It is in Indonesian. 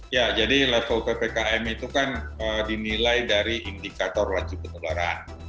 ya jadi level ppkm itu kan dinilai dari indikator laju penularan